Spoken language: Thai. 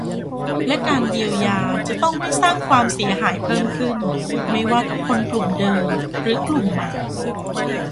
และการเยียวยาจะต้องไม่สร้างความเสียหายเพิ่มขึ้น ไม่ว่ากับคนกลุ่มเดิมหรือกลุ่มใหม่